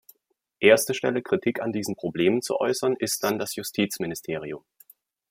Erste Stelle, Kritik an diesen Problemen zu äußern, ist dann das Justizministerium.